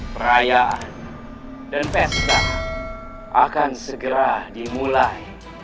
perayaan dan pesta akan segera dimulai